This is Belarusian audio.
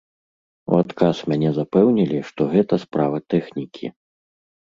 У адказ мяне запэўнілі, што гэта справа тэхнікі.